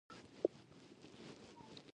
خاوندانو غوښتل د هغو په بچیانو د مړو ځای ډک کړي.